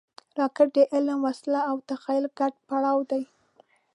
راکټ د علم، وسلې او تخیل ګډ پړاو دی